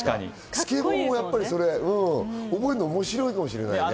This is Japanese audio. スケボーもやっぱり覚えるの面白いかもしれないね。